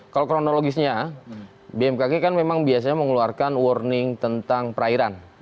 kalau kronologisnya bmkg kan memang biasanya mengeluarkan warning tentang perairan